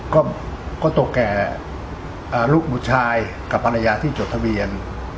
ก็ตกแก่ลูกบุตรชายกับภรรยาที่จดทะเบียน